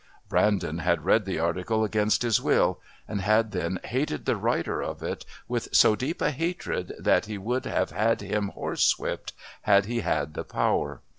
Brandon had read the article against his will, and had then hated the writer of it with so deep a hatred that he would have had him horse whipped, had he had the power.